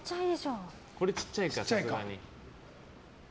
これちっちゃいか、さすがに。